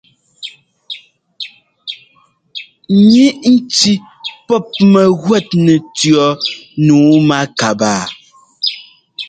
Ŋíʼ nci pɔ́p mɛguɛt nɛtʉ̈ɔ nǔu mákabaa.